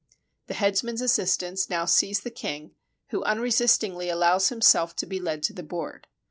The headsman's assistants now seize the king, who unresistingly allows himself to be led to the board.